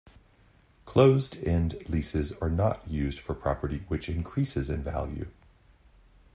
Closed-end leases are not used for property which increases in value.